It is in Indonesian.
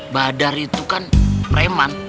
badar itu kan preman